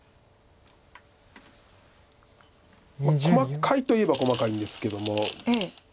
細かいといえば細かいんですけども。